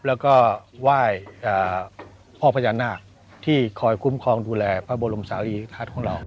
แล้วก็ไหว้พ่อพญานาคที่คอยคุ้มครองดูแลพระบรมศาลีทัศน์ของเรา